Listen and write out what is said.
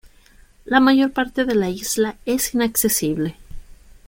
La mayor parte de la isla es inaccesible.